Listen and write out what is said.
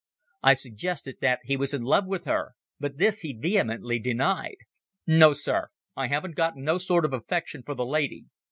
I suggested that he was in love with her, but this he vehemently denied. "No, Sir; I haven't got no sort of affection for the lady.